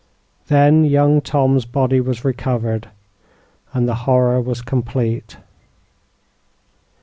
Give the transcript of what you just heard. Then young Tom's body was recovered, and the horror was complete.